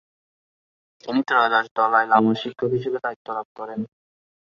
তিনি ত্রয়োদশ দলাই লামার শিক্ষক হিসেবে দায়িত্ব লাভ করেন।